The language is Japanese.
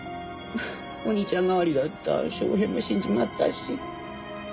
お兄ちゃん代わりだった昌平も死んじまったし。